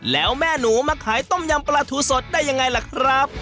แล้วแม่หนูมาขายต้มยำปลาทูสดได้ยังไงล่ะครับ